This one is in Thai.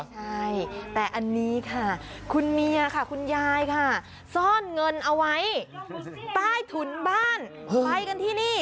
ใช่แต่อันนี้ค่ะคุณเมียค่ะคุณยายค่ะซ่อนเงินเอาไว้ใต้ถุนบ้านไปกันที่นี่